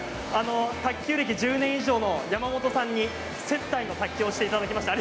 卓球歴１０年以上の山本さんに接待の卓球をしていただきました。